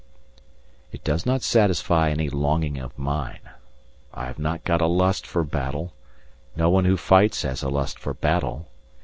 It does not satisfy any longing of mine. I have not got a lust for battle: no one who fights has a lust for battle.